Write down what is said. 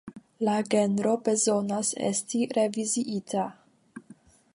La genro bezonas esti reviziita.